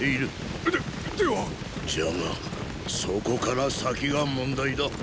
でっでは⁉じゃがそこから先が問題だ。